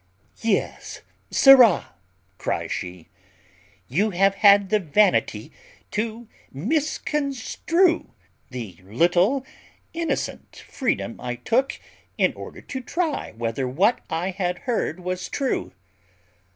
"Yes, sirrah," cries she, "you have had the vanity to misconstrue the little innocent freedom I took, in order to try whether what I had heard was true.